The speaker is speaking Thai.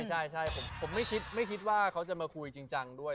ใช่ผมไม่คิดไม่คิดว่าเขาจะมาคุยจริงจังด้วย